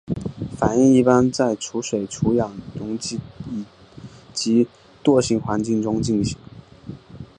反应一般在除水除氧溶剂及惰性环境中进行。